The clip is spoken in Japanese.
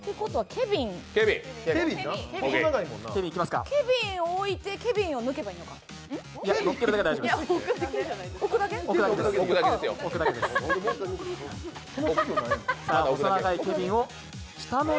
ケビンを置いてケビンを抜けばいいの？